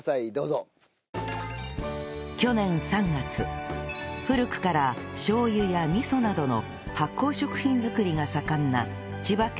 去年３月古くからしょう油や味噌などの発酵食品作りが盛んな千葉県